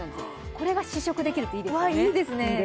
これが試食できるっていいですよね。